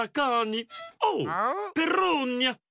おうペローニャ。